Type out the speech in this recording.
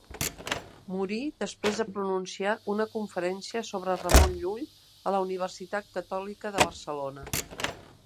Morí després de pronunciar una conferència sobre Ramon Llull a la Universitat catòlica de Barcelona.